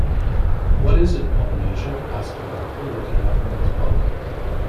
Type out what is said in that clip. “What is it, Polynesia?” asked the Doctor, looking up from his book.